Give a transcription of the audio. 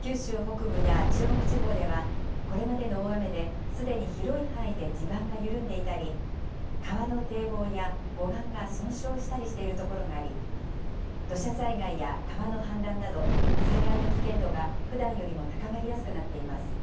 九州北部や中国地方では、これまでの大雨ですでに広い範囲で地盤が緩んでいたり、川の堤防や護岸が損傷したりしている所があり、土砂災害や川の氾濫など、災害の危険度がふだんよりも高まりやすくなっています。